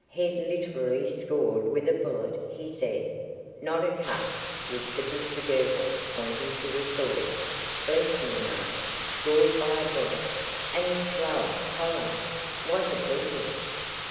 "Head literally scored with a bullet," he said. "Not a cut?" whispered Mr Girtle, pointing to the sword. "Bless me, no. Scored by a bullet. An inch lower hallo! What have we here?"